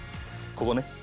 ここね。